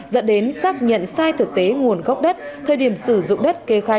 dẫn đến xác nhận sai thực tế nguồn gốc đất thời điểm sử dụng đất kê khai